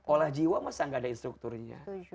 olah jiwa masa nggak ada instrukturnya